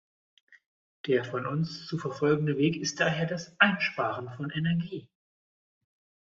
Der von uns zu verfolgende Weg ist daher das Einsparen von Energie.